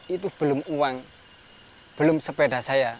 itu belum uang belum sepeda saya